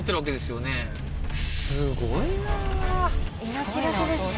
命懸けですね